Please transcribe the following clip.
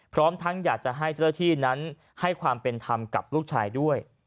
พร้อมที่จะให้เจ้าเชี่ยวที่นั้นให้ความเป็นทำกับลูกชายด้วย